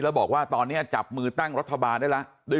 แล้วบอกว่าตอนนี้จับมือตั้งรัฐบาลได้แล้ว